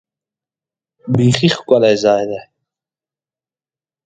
بیخي ښکلی ځای دی .